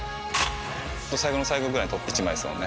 最後の最後ぐらいに撮った１枚ですもんね。